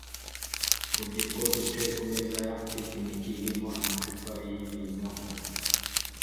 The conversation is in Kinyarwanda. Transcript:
Urubyiruko rwicaye kumeza ya picnic irimo amacupa y'ibinyobwa